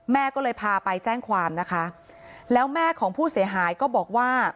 แม่ก็เลยพาไปแจ้งความนะคะแล้วแม่ของผู้เสียหายก็บอกว่า